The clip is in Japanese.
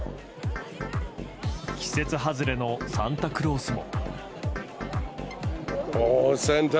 季節外れのサンタクロースも。